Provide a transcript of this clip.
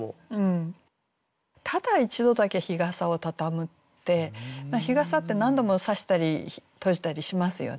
「ただ一度だけ日傘をたたむ」って日傘って何度も差したり閉じたりしますよね。